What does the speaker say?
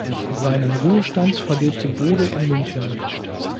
Seinen Ruhestand verlebte Bode in München.